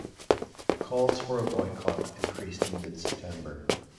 Calls for a boycott increased in mid-September.